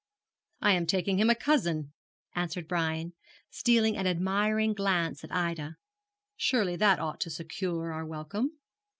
'I am taking him a cousin,' answered Brian, stealing an admiring glance at Ida; 'surely that ought to secure our welcome.'